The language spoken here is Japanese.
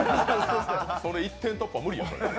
その一点突破、無理や。